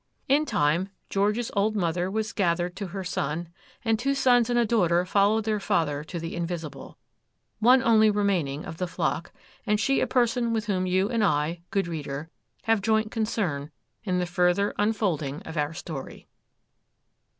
In time, George's old mother was gathered to her son, and two sons and a daughter followed their father to the invisible—one only remaining of the flock, and she a person with whom you and I, good reader, have joint concern in the further unfolding of our story.